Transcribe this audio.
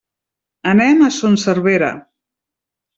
Anem a Son Servera.